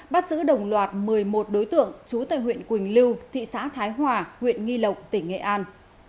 bắt giữ đồng loạt một mươi một đối tượng trú tại huyện quỳnh lưu thị xã thái hòa huyện nghi lộc tỉnh nghệ an